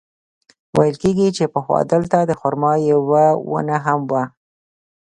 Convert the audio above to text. ویل کېږي چې پخوا دلته د خرما یوه ونه هم وه.